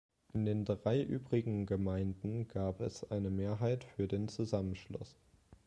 In den drei übrigen Gemeinden gab es eine Mehrheit für den Zusammenschluss.